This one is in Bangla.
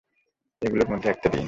এইগুলির মধ্যে একটা দিন।